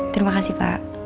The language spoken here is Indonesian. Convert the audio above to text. terima kasih pak